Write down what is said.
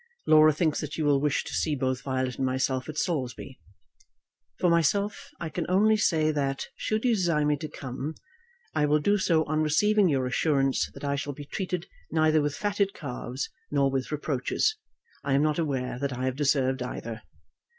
Laura thinks that you will wish to see both Violet and myself at Saulsby. For myself, I can only say that, should you desire me to come, I will do so on receiving your assurance that I shall be treated neither with fatted calves nor with reproaches. I am not aware that I have deserved either.